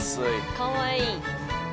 かわいい。